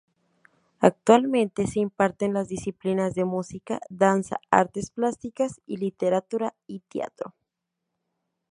Actualmente se imparten las disciplinas de Música, Danza, Artes Plásticas y Literatura y Teatro.